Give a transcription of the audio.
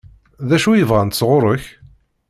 D acu i bɣant sɣur-k?